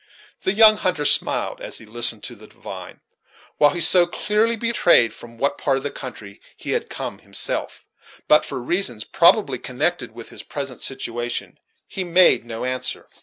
The young hunter smiled, as he listened to the divine while he so clearly betrayed from what part of the country he had come himself; but, for reasons probably connected with his present situation, he made no answer.